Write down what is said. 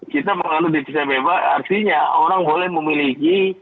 kita mengandung devisa bebas artinya orang boleh memiliki